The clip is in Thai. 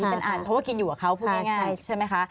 เป็นอันเพราะว่ากินอยู่กับเขาพูดง่ายใช่ไหมคะ